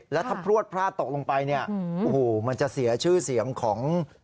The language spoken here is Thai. แล้วถ้าพลวดพลาดตกลงไปมันจะเสียชื่อเสียงของ